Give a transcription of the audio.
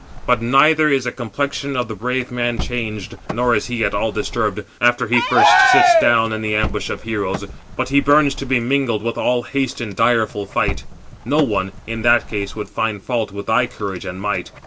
But neither is the complexion of the brave man changed, nor is he at all disturbed, after he first sits down in the ambush of heroes; but he burns to be mingled with all haste in direful fight—[no one], in that case, would find fault with thy courage and might.